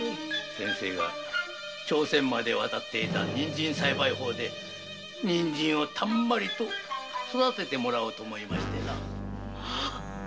先生が朝鮮で学んだ人参栽培法で人参をたんまりと育ててもらおうと思いましてな。